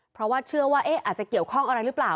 เพราะว่าเชื่อว่าอาจจะเกี่ยวข้องอะไรหรือเปล่า